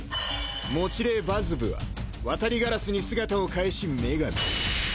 持霊バズヴはワタリガラスに姿を変えし女神。